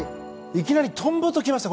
いきなりトンボと来ました。